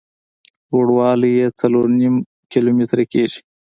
لوړ والی یې څلور نیم کیلومتره کېږي.